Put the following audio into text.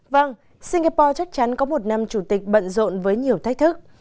vâng singapore chắc chắn có một năm chủ tịch bận rộn với nhiều thách thức